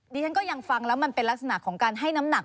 ดิฉันก็ยังฟังแล้วมันเป็นลักษณะของการให้น้ำหนัก